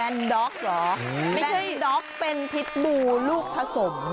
นอกเป็นพิษดูลูกผสม